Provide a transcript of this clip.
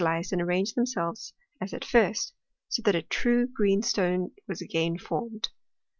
'Jizfcd and arrancred themselves as at first — so tliat a tru'r ^eenstone was again formed.